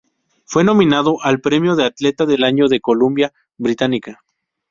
Fue nominado al premio de atleta del año de Columbia Británica.